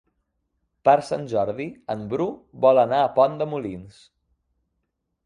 Per Sant Jordi en Bru vol anar a Pont de Molins.